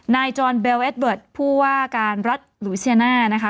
นายจอลเบลเอดเวิร์ดผู้ว่าการรัฐลูซิยานานะคะ